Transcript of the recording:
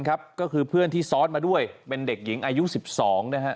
ก็คือเพื่อนที่ซ้อนมาด้วยเป็นเด็กหญิงอายุ๑๒นะฮะ